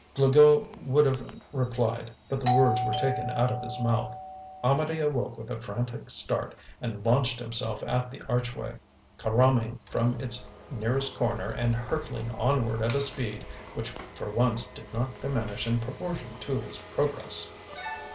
Glouglou would have replied, but the words were taken out of his mouth. Amedee awoke with a frantic start and launched himself at the archway, carroming from its nearest corner and hurtling onward at a speed which for once did not diminish in proportion to his progress.